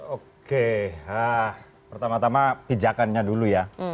oke pertama tama pijakannya dulu ya